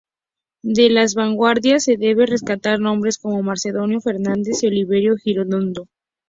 De las vanguardias se debe rescatar nombres como Macedonio Fernández y Oliverio Girondo.